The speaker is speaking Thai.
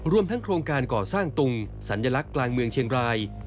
รวมทั้งโครงการก่อสร้างตุงสัญลักษณ์กลางเมืองเชียงราย